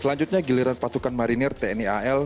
selanjutnya giliran pasukan marinir tni al